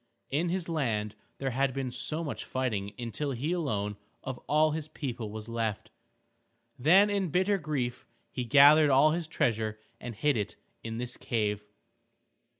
In his land there had been much fighting until he alone of all his people was left. Then in bitter grief he gathered all his treasure and hid it in this cave.